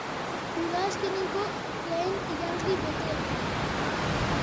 Erdilari zuri-gorria egotzi egin zuen epaileak eta orain lau partidako zigorra ezar diezaiokete.